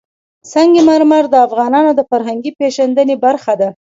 سنگ مرمر د افغانانو د فرهنګي پیژندنې برخه ده.